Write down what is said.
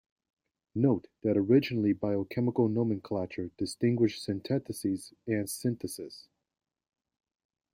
Note that, originally, biochemical nomenclature distinguished synthetases and synthases.